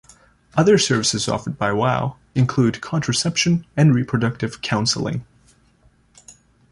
Other services offered by WoW include contraception and reproductive counseling.